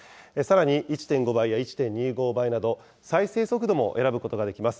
さらに、１．５倍や１．２５倍など、再生速度も選ぶことができます。